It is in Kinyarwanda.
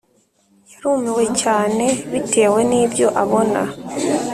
yarumiwe cyane bitewe nibyo abona